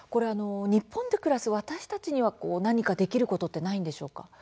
日本で暮らす私たちには何かできることはないんでしょうか。